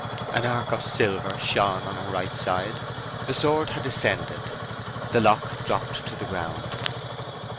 An arc of silver shone on her right side: the sword had descended. The lock dropped to the ground.